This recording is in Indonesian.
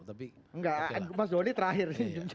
enggak mas doni terakhir